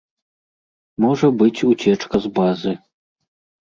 Можа быць уцечка з базы.